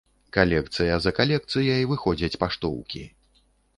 Калекцыя за калекцыяй выходзяць паштоўкі.